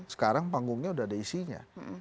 sekarang panggungnya udah ada isinya